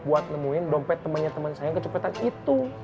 buat nemuin dompet temannya teman saya yang kecepatan itu